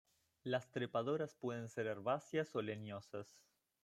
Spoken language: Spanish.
Las trepadoras pueden ser herbáceas o leñosas.